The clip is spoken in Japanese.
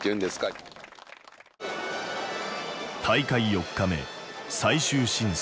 大会４日目最終審査。